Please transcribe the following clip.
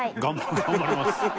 頑張ります。